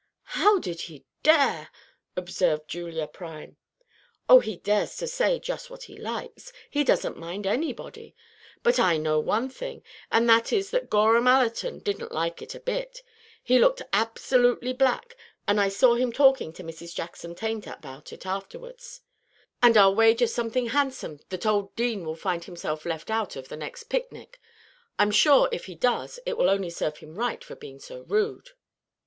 "How did he dare?" observed Julia Prime. "Oh, he dares to say just what he likes. He doesn't mind anybody. But I know one thing, and that is that Gorham Allerton didn't like it a bit. He looked absolutely black, and I saw him talking to Mrs. Jackson Tainter about it afterward; and I'll wager something handsome that old Deane will find himself left out of the next picnic. I'm sure, if he does, it will only serve him right for being so rude."